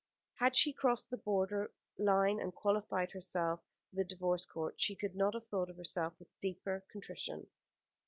Had she crossed the border line, and qualified herself for the Divorce Court, she could not have thought of herself with deeper contrition.